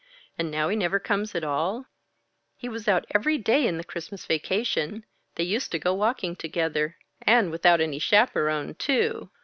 And now he never comes at all? He was out every day in the Christmas vacation. They used to go walking together and without any chaperone, too!